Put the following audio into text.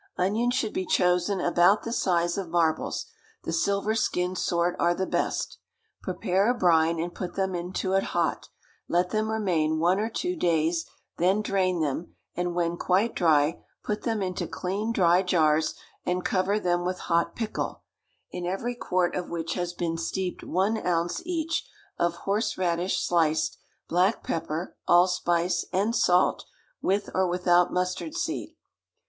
Onions should be chosen about the size of marbles; the silver skinned sort are the best. Prepare a brine, and put them into it hot; let them remain one or two days, then drain them, and when quite dry, put them into clean, dry jars, and cover them with hot pickle, in every quart of which has been steeped one ounce each of horseradish sliced, black pepper, allspice, and salt, with or without mustard seed.